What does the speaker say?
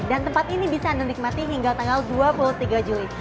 dan tempat ini bisa anda nikmati hingga tanggal dua puluh tiga juli